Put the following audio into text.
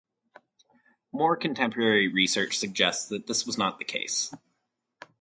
More contemporary research suggests that this was not the case.